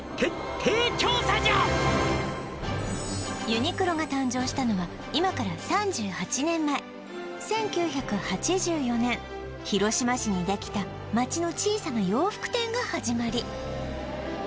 ユニクロが誕生したのは今から３８年前１９８４年広島市にできた街の小さな洋服店がはじまり